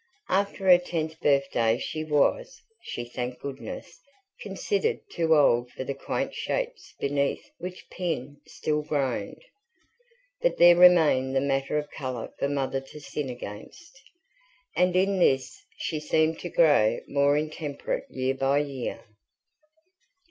After her tenth birthday she was, she thanked goodness, considered too old for the quaint shapes beneath which Pin still groaned; but there remained the matter of colour for Mother to sin against, and in this she seemed to grow more intemperate year by year.